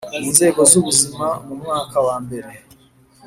mu Nzego z Ubuzima mu mwaka wa mbere